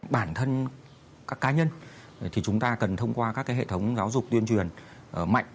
bản thân các cá nhân thì chúng ta cần thông qua các hệ thống giáo dục tuyên truyền mạnh